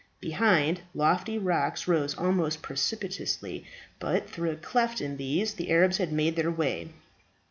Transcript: Behind, lofty rocks rose almost precipitously, but through a cleft in these the Arabs had made their way.